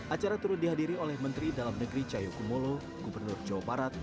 acara turut dihadiri oleh menteri dalam negeri cahyokumolo gubernur jawa barat